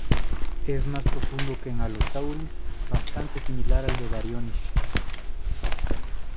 Es más profundo que en "Allosaurus", bastante similar al de "Baryonyx".